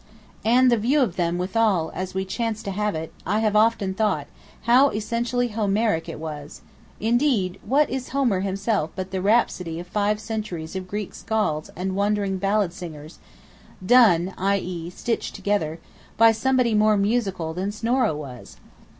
And the view of them, withal, as we chance to have it, I have often thought, how essentially Homeric it was: indeed what is "Homer" himself but the Rhapsody of five centuries of Greek Skalds and wandering Ballad singers, done (i.e. "stitched together") by somebody more musical than Snorro was?